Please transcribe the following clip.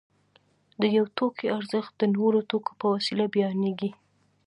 د یو توکي ارزښت د نورو توکو په وسیله بیانېږي